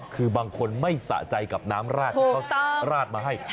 คือบางคนไม่สะใจกับน้ำราดที่เขาราดมาให้